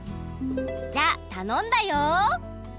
じゃあたのんだよ！